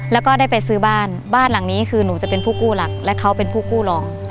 แล้วก็ได้ไปซื้อบ้านบ้านหลังนี้คือหนูจะเป็นผู้กู้หลักและเขาเป็นผู้กู้รอง